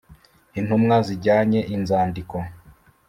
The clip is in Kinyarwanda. Intumwa zijyane inzandiko